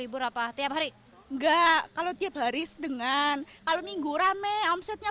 luar biasa ini bosnya